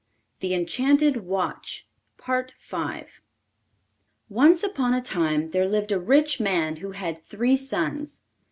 THE ENCHANTED WATCH Once upon a time there lived a rich man who had three sons.